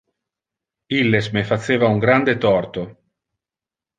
Illes me faceva un grande torto.